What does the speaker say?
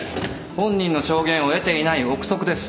本人の証言を得ていない臆測です。